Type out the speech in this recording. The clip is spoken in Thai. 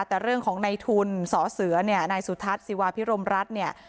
แต่เรื่องของในทุนสอเสือเนี่ยนายสุทัศน์ศิวาพิรมรัฐเนี่ย